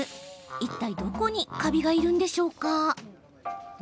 いったいどこにカビがいるんでしょうか？